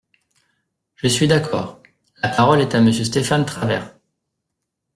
Je suis d’accord ! La parole est à Monsieur Stéphane Travert.